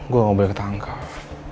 gue gak boleh ketangkep